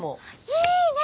いいね！